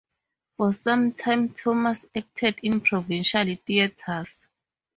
For some time Thomas acted in provincial theatres.